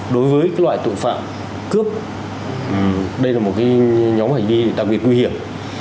đối với loại tội phạm cướp đây là một nhóm hành vi đặc biệt nguy hiểm